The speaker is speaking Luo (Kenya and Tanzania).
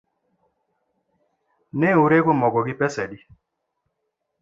Neurego mogo gi pesa adi